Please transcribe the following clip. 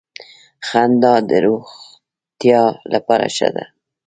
خندا د روغتیا لپاره ښه ده